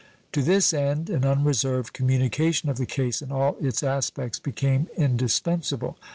To this end an unreserved communication of the case in all its aspects became indispensable.